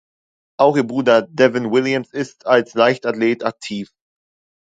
Auch ihr Bruder Devon Williams ist als Leichtathlet aktiv.